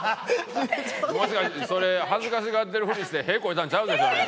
もしかしてそれ恥ずかしがってるふりして屁こいたんちゃうでしょうね